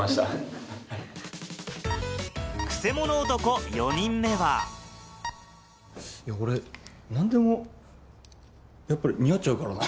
クセモノ男４人目は俺何でもやっぱり似合っちゃうからな。